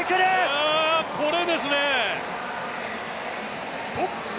いや、これですね。